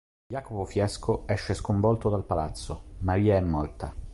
Jacopo Fiesco esce sconvolto dal palazzo: Maria è morta.